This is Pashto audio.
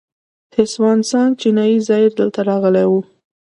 هسوان سانګ چینایي زایر دلته راغلی و